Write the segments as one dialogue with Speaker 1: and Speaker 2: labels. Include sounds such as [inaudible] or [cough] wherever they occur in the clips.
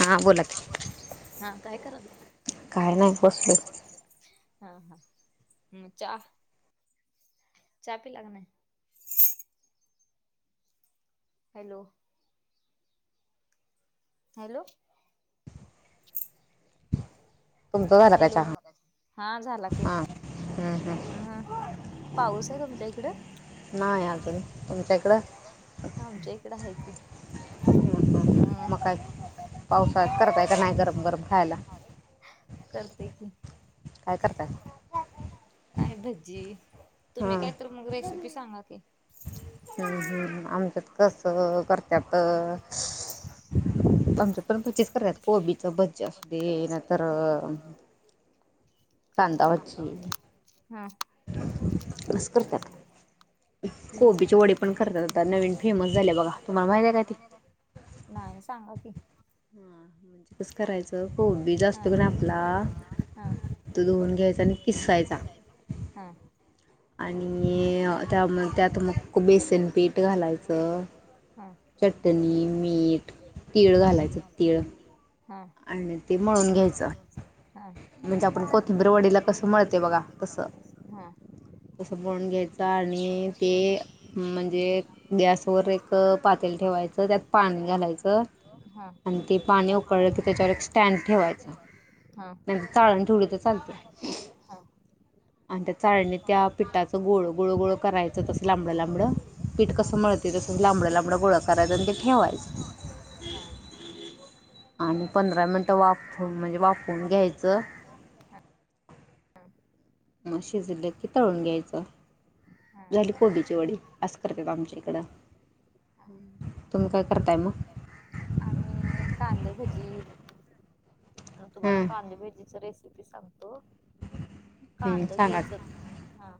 Speaker 1: हा बोला की
Speaker 2: हा काय कराल.
Speaker 1: काय नाही
Speaker 2: हा
Speaker 1: बसलो
Speaker 2: हा ह् चहा. चहा पिला काय नाही. हॅलो. हॅलो.
Speaker 1: तुमच झाला काय
Speaker 2: हॅलो
Speaker 1: चहा?
Speaker 2: हा झाला की
Speaker 1: हां
Speaker 2: हम् पाऊस आहे तुमच्या इकडं.
Speaker 1: नाही अजून तुमच्याकडं
Speaker 2: हम्.
Speaker 1: मग काय पावसाात करताय का नाही गरम गरम खायला.
Speaker 2: करते की
Speaker 1: काय करताय.
Speaker 2: काय भज्जी तुम्ही
Speaker 1: हं,
Speaker 2: कायतर मग रेसिपी सांगा की
Speaker 1: हम्म हम्म आमच्यात कसं करतात. आमच्यात पण तशीच करत्यात कोबीच भज्जी असुदे नायतर
Speaker 2: [inaudible]
Speaker 1: कांदाभजी.
Speaker 2: हम.
Speaker 1: असं करत्यात. कोबीचे
Speaker 2: मग
Speaker 1: वडी पण करतात, आता नवीन फेमस झाल्या बघा ते तुम्हाला माहित आहे काय ते
Speaker 2: नाही सांगा की
Speaker 1: हा कसं करायचं कोबीज
Speaker 2: हा
Speaker 1: असतो कनी आपला
Speaker 2: हा हा
Speaker 1: तो धुवुन.
Speaker 2: [unintelligible]
Speaker 1: आणि त्या त्यात मग बेसनपीठ घालायचं. चटणी, मीठ, तीळ
Speaker 2: हा
Speaker 1: घालायचं. तीळ
Speaker 2: हा
Speaker 1: आणि ते मळून घ्यायचं,
Speaker 2: हा
Speaker 1: म्हणजे आपण कोथिंबर वडीला
Speaker 2: कोथिंबीर
Speaker 1: कसं मिळतोय बघा तसं.
Speaker 2: [inaudible]
Speaker 1: तसं मळून घ्यायचं आणि ते म्हणजे गॅसवर एक पातेल ठेवा व्हायचं त्यात पाणी घालायचं
Speaker 2: हा
Speaker 1: आणि ते पाणी उकळलं तर एक स्टँड ठेवायचा
Speaker 2: हा
Speaker 1: नाहीतर चाळण ठेवली तर चालतेय
Speaker 2: हा
Speaker 1: आणि त्या चाळणीत त्या पिठाच गोळ गोळ गोळ करायचं असं लांबडं लांबडं पीठ
Speaker 2: हा
Speaker 1: कसं मळतोय तसं लांबडं लांबडा गोळ करायचं आणि ते ठेवायचं
Speaker 2: हं
Speaker 1: आणि पंधरा मिटं वाप म्हणजे वापून घ्यायचं
Speaker 2: हा
Speaker 1: मग शिजलं की तळून घ्यायचं झाली कोबीची वडी असं करत्यात आमच्या इकडं
Speaker 2: हा.
Speaker 1: तुम्ही काय करताय मग
Speaker 2: कांदाभजी म तुम्हाला
Speaker 1: हां
Speaker 2: कांदभेजीच रेसिपी सांगतो
Speaker 1: हं,
Speaker 2: कांद
Speaker 1: सांगा
Speaker 2: घ्यायचं ह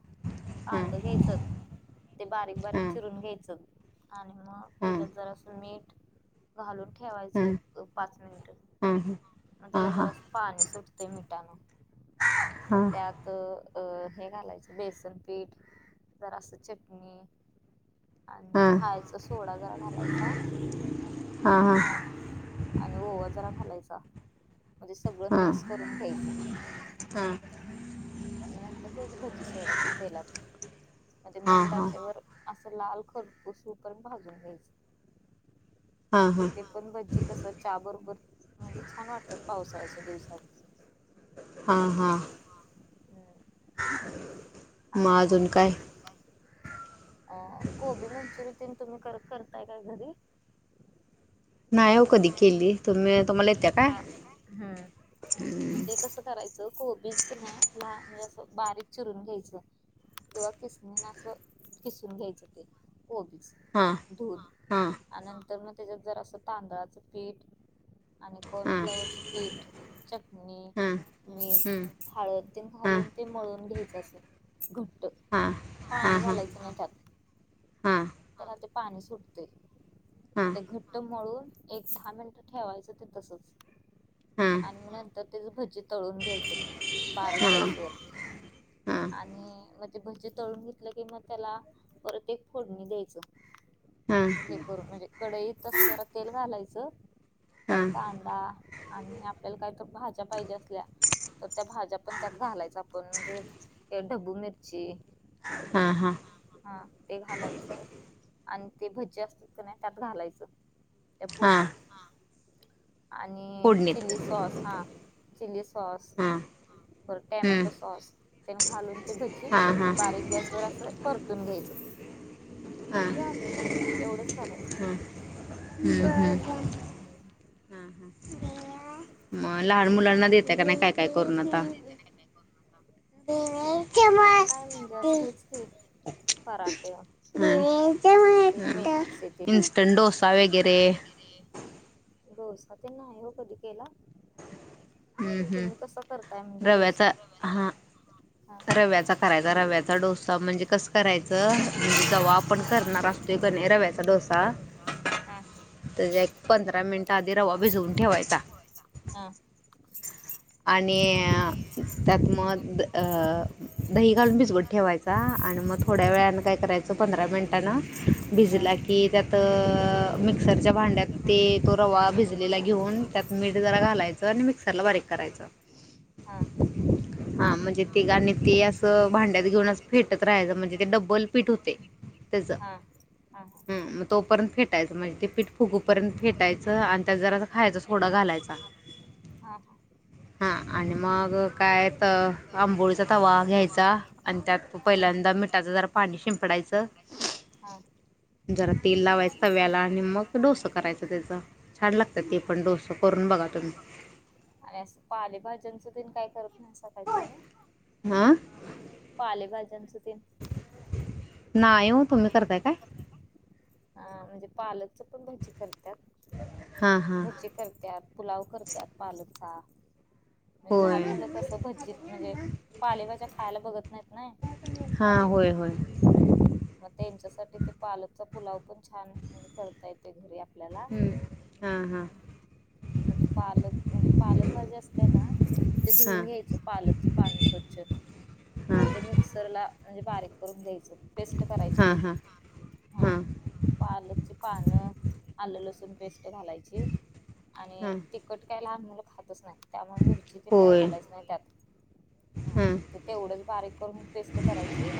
Speaker 1: हां
Speaker 2: कांद घ्यायचं ते बारीक बारीक
Speaker 1: हां
Speaker 2: चिरून घ्यायचं आणि मग
Speaker 1: हां
Speaker 2: त्याच्यात जरासं मीठ घालून
Speaker 1: हां
Speaker 2: ठेवायचं पाच मिनिटं
Speaker 1: हां
Speaker 2: मग
Speaker 1: हां हां
Speaker 2: त्याला जरा
Speaker 1: हां
Speaker 2: पाणी सुटतं ते मिटान मग त्यात अ हे घालायचं बेसनपीठ जरासं चटणी आणि खायचा सोडा जरा घालायचा
Speaker 1: हां हां हां हां
Speaker 2: हा आणि ओवा जरा घालायचा म्हणजे सगळं
Speaker 1: हां
Speaker 2: मिक्स करून घ्यायचं
Speaker 1: हां हां
Speaker 2: आणि नंतर त्याची भज्जी सोडायची तेलात म ते मंद आचेवर असं लाल खरपुसू होईपर्यंत भाजून
Speaker 1: हां
Speaker 2: घ्यायचं
Speaker 1: हां
Speaker 2: ते पण भज्जी कसं चहा बरोबर, म्हणजे छान वाटतात पावसाळ्याच्या दिवसात
Speaker 1: हा हा
Speaker 2: हम्म.
Speaker 1: मग
Speaker 2: आणि
Speaker 1: अजून काय
Speaker 2: अ कोबी मंचुरि तेन तुम्ही करताय काय घरी
Speaker 1: नाही हो कधी केली तुम्ही तुम्हाला येतं
Speaker 2: हा
Speaker 1: काय
Speaker 2: हम्म मग ते कसं करायचं कोबीज कने लहान म्हणजे असं बारीक चिरून घ्यायचं किंवा किसणीन असं किसून घ्यायचं ते कोबीज
Speaker 1: हां
Speaker 2: धुवून
Speaker 1: हां
Speaker 2: आणि नंतर मग त्याच्यात जरासं असं तांदळाच पीठ आणि कॉर्न
Speaker 1: हां
Speaker 2: फ्लेवरच पीठ चटणी
Speaker 1: हां हं
Speaker 2: मीठ हळद
Speaker 1: हां
Speaker 2: घालून ते मळून घ्यायचं अस
Speaker 1: हां हां
Speaker 2: पाणी
Speaker 1: हां
Speaker 2: घालायचं नाही त्यात
Speaker 1: हां
Speaker 2: त्याना ते पाणी सुटते
Speaker 1: हां हां
Speaker 2: मग ते घट्ट मळून एक दहा मिनिट ठेवायचं ते तसच
Speaker 1: हां हां
Speaker 2: आणि नंतर तेच भजी तळून घ्यायचं बारीक
Speaker 1: हां
Speaker 2: गॅस वर. आणि मग ते भजे तळून घेतलं की मग त्याला परत एक फोडणी. द्यायचं हे करून म्हणजे कडईत तस जरा तेल घालायचं. त्यात
Speaker 1: हां हां
Speaker 2: कांदा आणि आपल्याला काही तर भाज्या पाहिजे असल्या. तर त्या भाज्या पण त्यात घालायच आपण म्हणजे ढबू मिरची.
Speaker 1: हा हा
Speaker 2: हा ते घालायचं आणि ते भजे असतात नाही त्यात घालायचं. त्या
Speaker 1: हां
Speaker 2: फोडणीत आणि
Speaker 1: फोडणीत
Speaker 2: चिली सॉस हा चिली सॉस सॉस
Speaker 1: हां
Speaker 2: व
Speaker 1: हं
Speaker 2: टॅमॅटो सॉस घालून ते भजी
Speaker 1: हां हां हां
Speaker 2: बारीक गॅस वर अस परतून घ्यायचं
Speaker 1: हां
Speaker 2: हो. झालं एवढंच करायचं.
Speaker 1: हं हं
Speaker 2: कोबी मनच्युरी
Speaker 1: हां हां मग लहान मुलांना देतय का नाही काय काय करून आता हां
Speaker 2: आता
Speaker 1: हां
Speaker 2: काय म्हणजे अस हेच की पराठे
Speaker 1: तेमुळे
Speaker 2: इस्ट डोसा वगैरे डोसा ते नाही हो कधी केला
Speaker 1: हम्म हम्म
Speaker 2: तुम्ही कसा करताय म्हणजे डोसा
Speaker 1: रव्याचा हा
Speaker 2: हा
Speaker 1: रव्याचा करायचा रव्याचा डोसा म्हणजे कसं करायचं म्ह जव
Speaker 2: हा
Speaker 1: आपण करणार असतो कणी रव्याचा डोसा
Speaker 2: हा
Speaker 1: त्या एक पंधरा मिनट आधी रवा भिजवून ठेवायचा.
Speaker 2: हा ठेवायचा हा
Speaker 1: आणि त्यात मग. दही घालून भिजऊन ठेवायचा आणि मग थोड्या वेळानं काय करायचं पंधरा मिनिटांनं
Speaker 2: हा
Speaker 1: भिजला की त्यात मिक्सरच्या भांड्यात ते तो रवा भिजलेला घेऊन त्यात मीठ जरा
Speaker 2: हा
Speaker 1: घालायचं आणि मिक्सर ला बारीक करायचं.
Speaker 2: हा
Speaker 1: तिघांणी ती ते असं भांड्यात घेऊन फेटत राहायचं म्हणजे ते डब्बल पीठ होते
Speaker 2: हा
Speaker 1: ह मग तोपर्यंत फेटायचं म्हणजे ते पीठ फुगू पर्यंत फेटायचं आणि त्या जरा खायच सोडा घा- घालायचा
Speaker 2: हा हा
Speaker 1: हां आणि मग काय तर आंबोळीचा तवा घ्यायचा आणि त्यात पहिल्यांदा मिठाचं जरा पाणी शिंपडायचं.
Speaker 2: हा
Speaker 1: जरा तेल लावायचंव्याला आणि मग डोस करायचं त्याच छान लागत ते पण डोस करून. बघा तुम्ही
Speaker 2: आणि पाणी ज का करत नाही का तुम्
Speaker 1: हां
Speaker 2: पालेभाज्या
Speaker 1: नाही हो तुम्ही करताय काय.
Speaker 2: अ म्हणजे पालकच पण भजी करतात
Speaker 1: हां हां
Speaker 2: भजी करतत पुलाव करतात पालकचा म्हणजे लहान
Speaker 1: होय
Speaker 2: मुलं अससं भजीत म्हणजे पालेभाज्या खायला बघत नाही नई
Speaker 1: हां होय होय
Speaker 2: हाहा त्यांच्यासाठी ते पालकचा पुलाव पण छान म्हणजे करता येतो घरी आपल्याला
Speaker 1: हम्म, हां हा.
Speaker 2: मग ते पालक म्हणजे पालक भाजी असते ना ते
Speaker 1: हां
Speaker 2: धुऊन घ्यायचं पालकची पान स्वच्छ
Speaker 1: हां
Speaker 2: आणि ते मिक्सरला म्हणजे बारीक करून घ्यायचं, पेस्ट करायची
Speaker 1: हां
Speaker 2: त्याची
Speaker 1: हां
Speaker 2: हंह, हां पालक पान, आलं लसून पेस्ट घालायची आणि
Speaker 1: हां
Speaker 2: तिखट काय [unintelligible] खातच नाहीत. त्यामुळे मिरची ती काही
Speaker 1: होय
Speaker 2: खालायच नाही त्यात. हा,
Speaker 1: हां
Speaker 2: ते तेवढंच बारीक करून पेस्ट करायची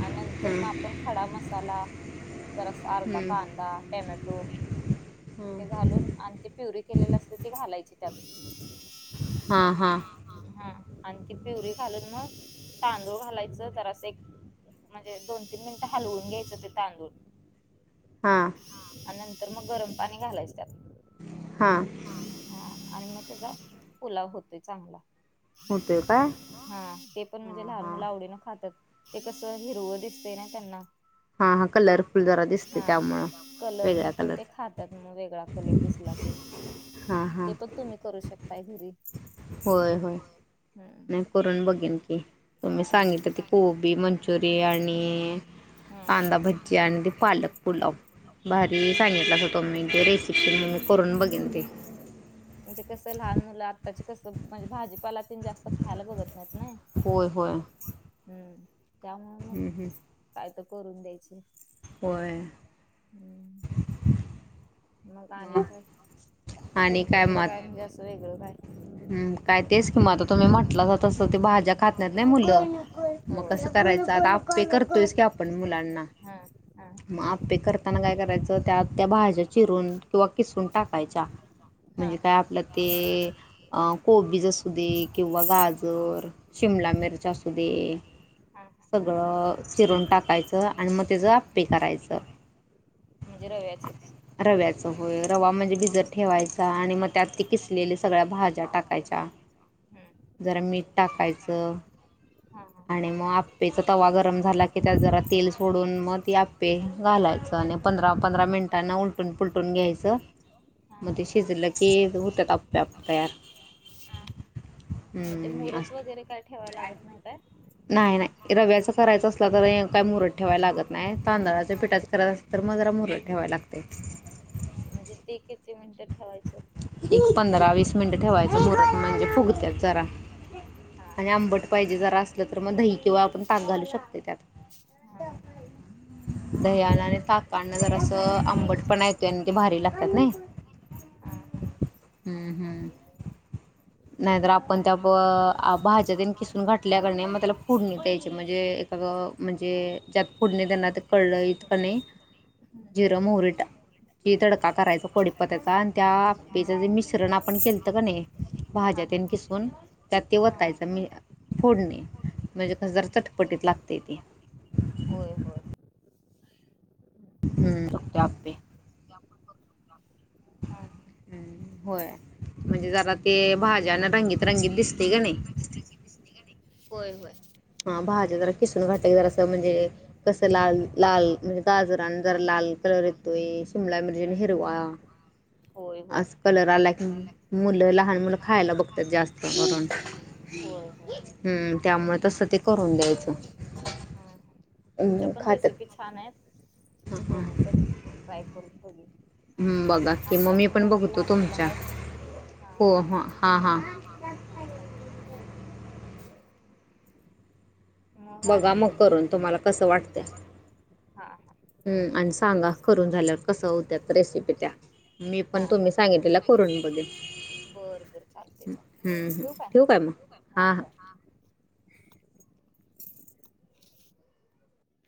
Speaker 2: आणि नंतर
Speaker 1: हां
Speaker 2: मग आपण खडा मसाला जरासं अर्धा कांदा, टोमॅटो हे घालून आणि ते प्युरी केलेलं असतं ते घालायची त्यात.
Speaker 1: हा, हा.
Speaker 2: आण ती पिवरी घालून मग तांदूळ घालायचं तर असं म्हणजे दोन तीन मिनिटं हलवून घ्यायचं ते तांदूळ
Speaker 1: हां
Speaker 2: आणि नंतर मग गरम पाणी घालायचं.
Speaker 1: हां
Speaker 2: हा, आणि मग त्याचा पुलाव होतोय चांगला.
Speaker 1: होतं काय
Speaker 2: हा, ते पण म्हणजे
Speaker 1: हां
Speaker 2: लहान
Speaker 1: हां
Speaker 2: मुलं आवडीनं [unintelligible] ते कस हिरवं दिसतय ना त्या [unintelligible]
Speaker 1: [unintelligible]
Speaker 2: हा कलर,
Speaker 1: जरा दिसते
Speaker 2: हा
Speaker 1: त्यामुळं
Speaker 2: कलर न
Speaker 1: वेगळ्या
Speaker 2: पण
Speaker 1: कलर
Speaker 2: ते खातात मग वेगळा कलर दिसला की
Speaker 1: हां हां
Speaker 2: ते पण तुम्ही करू [unintelligible]
Speaker 1: होय होय.
Speaker 2: हम्म
Speaker 1: नाही करून बघेन की तुम्ही
Speaker 2: हा
Speaker 1: सांगितल त कोबी मंचुरियन आणि
Speaker 2: हा
Speaker 1: कांदा भजी आणि पालक पुलाव भारी
Speaker 2: हा
Speaker 1: सांगितला वो तोम्ही [unintelligible] हम्म करून बघेन ते.
Speaker 2: म्हणजे कसं लहान मुलं, आत्ताचे कसं म्हणजे भाजी ्पाला तीन जास्त खायला बघत नाहीत ना,
Speaker 1: होय होय
Speaker 2: हम्म. त्यामुळे मग
Speaker 1: हं, हं.
Speaker 2: काय तर करून द्यायचे. [inaudible]
Speaker 1: होय
Speaker 2: मग आणि काय,
Speaker 1: आणि
Speaker 2: तुमच्या इकडं
Speaker 1: मग
Speaker 2: काय म्हणजे असं वेगळं काय.
Speaker 1: हम्म, काय तेच की मग आता तुम्ही म्हटलं तस ते भाज्या खात नाही ना मुलं
Speaker 2: होय
Speaker 1: [unintelligible] करायच आ आप्पे करतोयच की आपण मुलांना.
Speaker 2: हा हा
Speaker 1: मग आप्पे करताना काय करायचं त्या त्या [unintelligible] चिरून किंवा किसून टाकायचा
Speaker 2: हा
Speaker 1: म्हणजे काय आपल्या ते आ कोबीज असू दे किंवा गाजर शिमला
Speaker 2: हम्म
Speaker 1: मिरच असू दे. सगळं शिरून टाकायचं आणि मग त्याचं आप्पे करायचं.
Speaker 2: म्हणजे रव्याचचं.
Speaker 1: रव्याच होय, रवा म्हणजे भिजत ठेवायचा आणि मग त्यात ते किसलेली सगळ्या भाज्या टाकायच्या
Speaker 2: हा
Speaker 1: जरा मीठ टाकायचं. आणि मग आप्पेचा तवा गरम झाला की त्यात जरा तेल सोडून मग ती आप्पे घालाय. [unintelligible] आणि पंधरा, पंधरा मिनिटांनी त्यांना उलटून पूलटून घ्यायचं,
Speaker 2: हा
Speaker 1: मग ते शिजलं की होत आप्पे आप तयार.
Speaker 2: हं, मग ते
Speaker 1: हम्म
Speaker 2: मुरत वगैरे काय ठेवाय लागत नाही काय?
Speaker 1: नाय, नाय रव्याच करायचं असलं तरी काय मुरत ठेवायला लागत नाही. तांदळाच्या पिठाच करायचं असलं तर [unintelligible] मग जरा मुरत ठेवायचं.
Speaker 2: [inaudible] मजे ते किती म्हणत्यात? ठेवायचं. एक पंधरा
Speaker 1: मिनटं
Speaker 2: वीस
Speaker 1: ठेवायचं
Speaker 2: मिनिट ठेवाय
Speaker 1: मुरत म्हणजे फुगत्यात जरा
Speaker 2: [unintelligible]
Speaker 1: आणि आंबट पाहिजे जरा असलं तर मग दही किंवा आपण ताक घालू शकतोय त्यात.
Speaker 2: [unintelligible]
Speaker 1: दह्यान आणि ताकान जरा असं आंबटपणा येतोय आणि ते भारी लागतात.
Speaker 2: हा हा
Speaker 1: हम्म, हम्म.
Speaker 2: [inaudible]
Speaker 1: नाहीतर आपण त्या प, अ भाज्या तेन खिसून घाटल्याकणी मग त्याला फोडणी द्यायची म्हणजे एखादं म्हणजे ज्यात फोडणी देणार ते कढईत कन्हाई.
Speaker 2: हम्म
Speaker 1: मोहरी टाक की तडका करायचा. पडी पण त्याचा त्या आपे जे मिश्रण आपण केलत का नाही.
Speaker 2: हा
Speaker 1: भाज्यात
Speaker 2: हा
Speaker 1: किसून त्या ते
Speaker 2: हा हा
Speaker 1: वतायच मी फोडणी म्हणजे कस जरा
Speaker 2: हा.
Speaker 1: चटपटीत लागते. ते
Speaker 2: होय, होय
Speaker 1: हम्म फक्त आप्पे.
Speaker 2: हा
Speaker 1: हम्म होय. म्हणजे जरा ते भाज्याना रंगीत, रंगीत दिसते का नाही.
Speaker 2: होय होय.
Speaker 1: हा भाज्या जरा. किसून घातलं जरास असं म्हणजे कसं लाल लाल
Speaker 2: हम्म.
Speaker 1: म्हणजे गाजर
Speaker 2: होय
Speaker 1: आणि जरा लाल कलर येतोय. सिमला मिरची आणि हिरवा.
Speaker 2: होय होय
Speaker 1: अस कलर आला की मुलं लहान मुलं खायला बघतात जास्त करून
Speaker 2: होय होय
Speaker 1: हम्म त्यामुळे तसं ते करून द्यायचं.
Speaker 2: ह
Speaker 1: अं
Speaker 2: तुमच्यापण रेसिपी
Speaker 1: खातात
Speaker 2: छान आहेत. हो कर, ट्राय करू.
Speaker 1: हम्म, बघा की मग मी पण
Speaker 2: घरात
Speaker 1: बघतो
Speaker 2: लहान मुलं
Speaker 1: तुमच्या
Speaker 2: आहेत हा
Speaker 1: हो,
Speaker 2: हा
Speaker 1: ह, हा हा
Speaker 2: हा चालतंय [inaudible]
Speaker 1: बघा
Speaker 2: आणि
Speaker 1: मग
Speaker 2: काय
Speaker 1: करून तुम्हाला कसं वाटतंय?
Speaker 2: हा हा
Speaker 1: हम आणि सांगा करून झाल्यावर कस होत्यात रेसिपी त्या? मी पण तुम्ही सांगितलेल्या करून [unintelligible]
Speaker 2: बर बर चालतंय
Speaker 1: हं
Speaker 2: चालतंय
Speaker 1: हं मग?
Speaker 2: ठेवू काय हा
Speaker 1: हां हां.
Speaker 2: ठेवा. [inaudible]